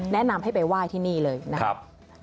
แนะนำให้ไปไหว้ที่นี่เลยนะครับ